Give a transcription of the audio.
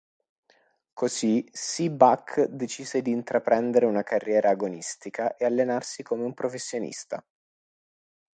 Così Si-Bak decise di intraprendere una carriera agonistica e allenarsi come un professionista.